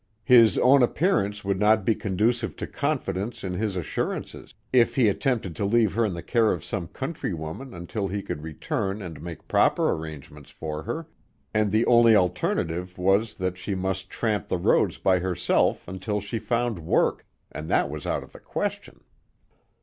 His own appearance would not be conducive to confidence in his assurances if he attempted to leave her in the care of some country woman until he could return and make proper arrangements for her, and the only alternative was that she must tramp the roads by herself until she found work, and that was out of the question.